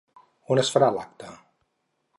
On es farà l'acte?